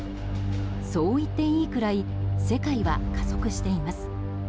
そういっていいくらい世界は加速しています。